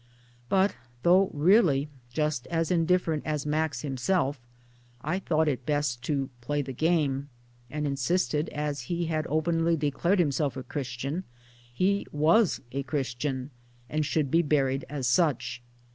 But though really just as indifferent as Max himself I thought it best to * play the game '; and insisted that as he had openly declared himself a Christian he was a Christian and should be buried as such.